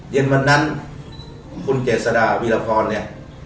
เย็นวันนั้นคุณเจษฎาวีรพรเนี่ย